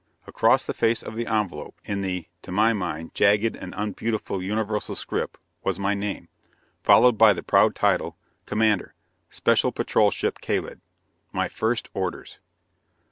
Across the face of the envelope, in the to my mind jagged and unbeautiful Universal script, was my name, followed by the proud title: "Commander, Special Patrol Ship Kalid." My first orders!